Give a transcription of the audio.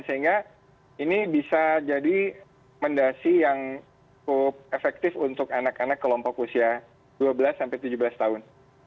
sehingga ini bisa jadi mendasi yang cukup efektif untuk anak anak kelompok usia dua belas sampai tujuh belas tahun